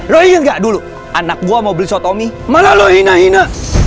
lu inget nggak dulu anak gua mau beli sholat tominya malah lu hina hina